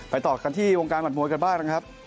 ต่อกันที่วงการหัดมวยกันบ้างนะครับ